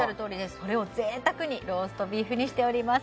それを贅沢にローストビーフにしております